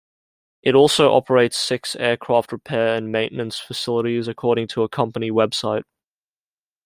It also operates six aircraft repair and maintenance facilities, according to a company website.